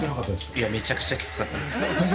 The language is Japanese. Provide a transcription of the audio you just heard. いや、めちゃくちゃきつかったです。